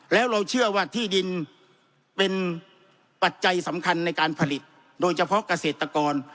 แล้วเราเชื่อว่าที่ดินเป็นปัจจัยสำคัญในการผลิตโดยเฉพาะเกษตรกร